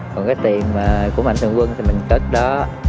còn cái tiền của mạnh thường quân thì mình kết đó